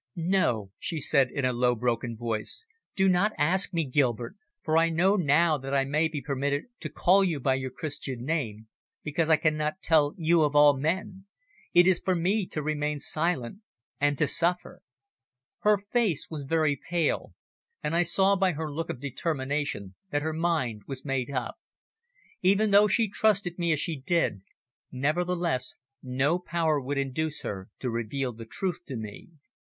"No," she said in a low, broken voice, "do not ask me, Gilbert for I know now that I may be permitted to call you by your Christian name because I cannot tell you of all men. It is for me to remain silent and to suffer." Her face was very pale, and I saw by her look of determination that her mind was made up; even though she trusted me as she did, nevertheless no power would induce her to reveal the truth to me.